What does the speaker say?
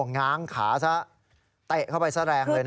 ง้างขาซะเตะเข้าไปซะแรงเลย